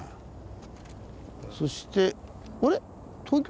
そしてあれ？